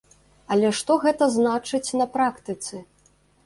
Але што гэта значыць на практыцы?